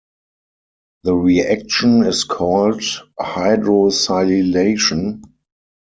The reaction is called hydrosilylation.